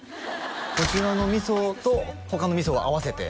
こちらの味噌と他の味噌を合わせて？